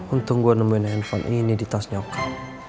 untung gue nemuin handphone ini di tas nyokap